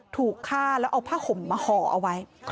ถูกฆ่าแล้วเอาผ้าห่มมาห่อเอาไว้